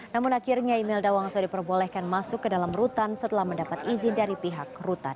namun akhirnya imelda wongso diperbolehkan masuk ke dalam rutan setelah mendapat izin dari pihak rutan